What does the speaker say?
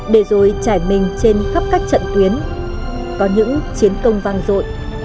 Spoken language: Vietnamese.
để rồi trải mình trên khắp các trận tuyến có những chiến công vang dội